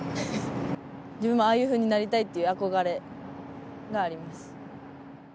自分もああいうふうになりたいっていう憧れがあります。